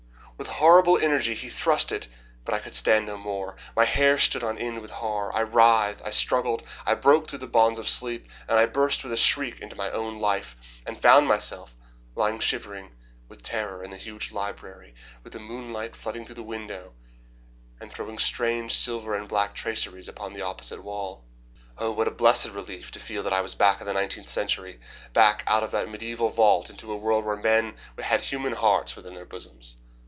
With horrible energy he thrust it but I could stand no more. My hair stood on end with horror. I writhed, I struggled, I broke through the bonds of sleep, and I burst with a shriek into my own life, and found myself lying shivering with terror in the huge library, with the moonlight flooding through the window and throwing strange silver and black traceries upon the opposite wall. Oh, what a blessed relief to feel that I was back in the nineteenth century back out of that mediaeval vault into a world where men had human hearts within their bosoms.